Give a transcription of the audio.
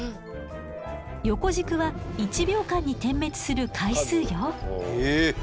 横軸は１秒間に点滅する回数よ。